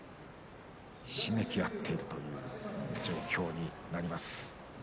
ひしめき合っているという状況になります。